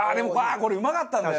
これうまかったんだよな。